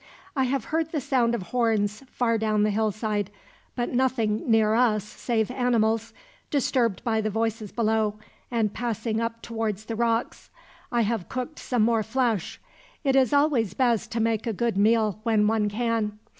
"I have heard the sound of horns, far down the hillside; but nothing near us save animals, disturbed by the voices below, and passing up towards the rocks. I have cooked some more flesh. It is always best to make a good meal when one can.